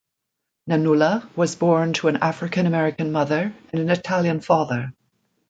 Nanula was born to an African American mother and an Italian father.